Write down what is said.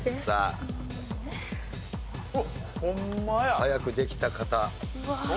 さあ。早くできた方。